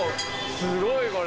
すごいこれ。